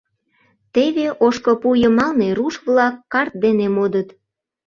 Теве ошкыпу йымалне руш-влак карт дене модыт.